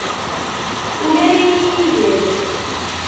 Ula d iminigen.